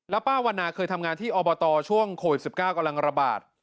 ป้าวันนาเคยทำงานที่อบตช่วงโควิด๑๙กำลังระบาด